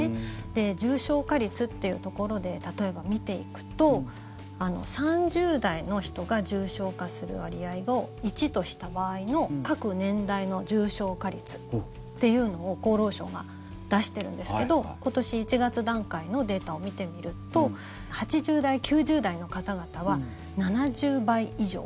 重症化率っていうところで例えば見ていくと３０代の人が重症化する割合を１とした場合の各年代の重症化率っていうのを厚労省が出してるんですけど今年１月段階のデータを見てみると８０代、９０代の方々は７０倍以上。